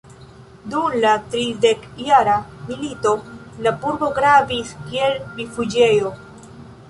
Dum la Tridekjara milito la burgo gravis kiel rifuĝejo.